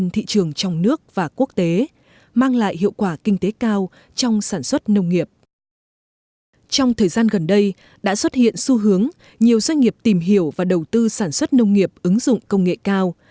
trong thời gian gần đây đã xuất hiện xu hướng nhiều doanh nghiệp tìm hiểu và đầu tư sản xuất nông nghiệp ứng dụng công nghệ cao